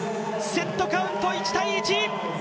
セットカウント１−１！